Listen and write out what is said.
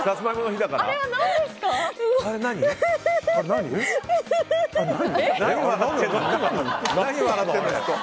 何、笑ってるの？